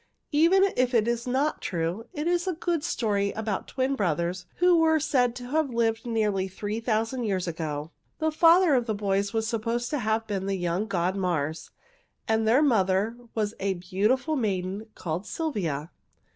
Even if it is not true, it is a good story about twin brothers who were said to have lived nearly three thousand years ago. The father of the boys was supposed to have been the young god Mars, and their mother was a beautiful maiden called Sylvia.